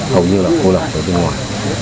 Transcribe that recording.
hầu như là cô lọc ở bên ngoài